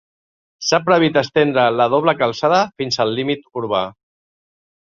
S'ha previst estendre la doble calçada fins al límit urbà.